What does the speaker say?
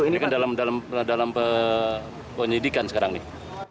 ini kan dalam penyidikan sekarang nih